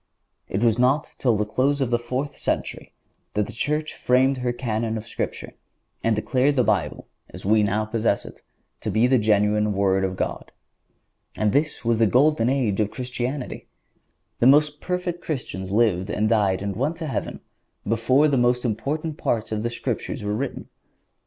It was not till the close of the fourth century that the Church framed her Canon of Scripture and declared the Bible, as we now possess it, to be the genuine Word of God. And this was the golden age of Christianity! The most perfect Christians lived and died and went to heaven before the most important parts of the Scriptures were written.